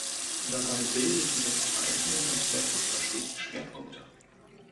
Dabei bildeten das Zeichnen und der Kupferstich Schwerpunkte.